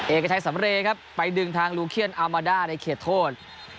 เอกชัยสำเรย์ครับไปดึงทางลูเคียนอามาด้าในเขตโทษ